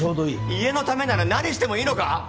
家のためなら何してもいいのか？